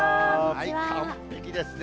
完璧ですね。